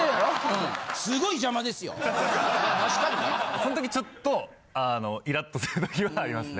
そのときちょっとあのイラッ！とするときはありますね。